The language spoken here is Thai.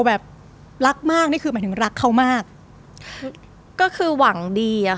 แบบรักมากนี่คือหมายถึงรักเขามากก็คือหวังดีอะค่ะ